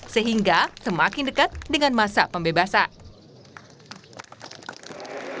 sehingga semakin dekat dengan masa pembebasan